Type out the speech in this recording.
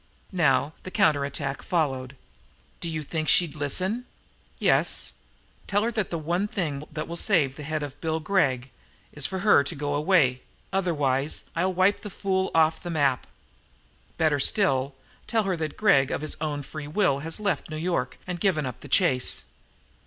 Now the counterattack followed. "Do you think she'd listen?" "Yes, tell her that the one thing that will save the head of Bill Gregg is for her to go away, otherwise I'll wipe the fool off the map. Better still, tell her that Gregg of his own free will has left New York and given up the chase.